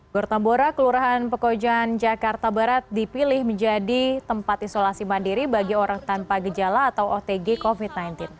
gor tambora kelurahan pekojan jakarta barat dipilih menjadi tempat isolasi mandiri bagi orang tanpa gejala atau otg covid sembilan belas